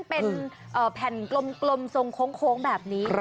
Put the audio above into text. เป็นแผ่นกลมทรงโค้งแบบนี้